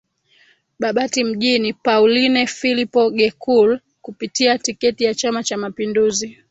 Babati Mjini Pauline Philipo Gekul kupitia tiketi ya Chama cha mapinduzi